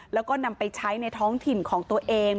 แล้วก็นำไปใช้ในท้องถิ่นของตัวเอง